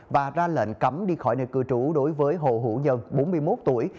và ra lệnh cấm đi khỏi nơi cư trú đối với hồ hữu nhân bốn mươi một tuổi